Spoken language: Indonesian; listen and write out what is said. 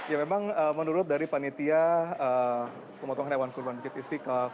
ya memang menurut dari panitia pemotongan hewan kurban masjid istiqlal